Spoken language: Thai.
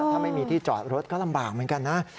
ถ้าไม่มีที่จอดรถก็ลำบากเหมือนกันนะ